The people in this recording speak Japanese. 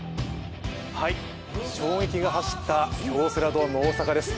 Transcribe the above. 衝撃が走った京セラドーム大阪です。